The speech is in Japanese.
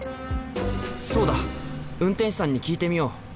そうだ運転手さんに聞いてみよう！